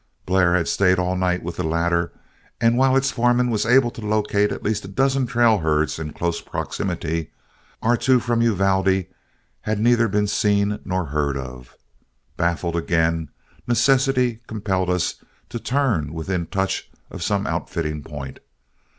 Blair had stayed all night with the latter, and while its foreman was able to locate at least a dozen trail herds in close proximity, our two from Uvalde had neither been seen nor heard of. Baffled again, necessity compelled us to turn within touch of some outfitting point.